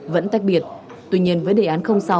vẫn tách biệt tuy nhiên với đề án sáu